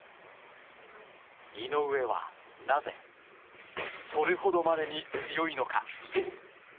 井上は、なぜそれほどまでに強いのか。